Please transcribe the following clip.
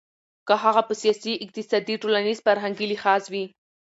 که هغه په سياسي، اقتصادي ،ټولنيز، فرهنګي لحاظ وي .